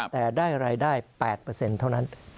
แต่ได้รายได้๘เท่านั้น